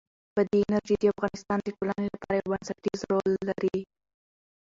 بادي انرژي د افغانستان د ټولنې لپاره یو بنسټيز رول لري.